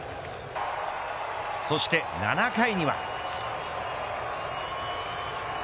そして７回には。